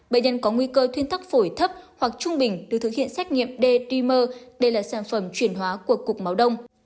bệnh nhân có nguy cơ thuyên tắc phổi thấp hoặc trung bình được thực hiện xét nghiệm d dimer đây là sản phẩm chuyển hóa của cục máu đông